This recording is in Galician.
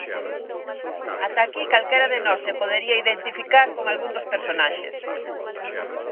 Ata aquí calquera de nós se podería identificar con algún dos personaxes.